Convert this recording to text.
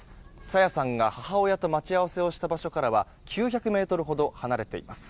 朝芽さんが母親と待ち合わせをした場所からは９００ｍほど離れています。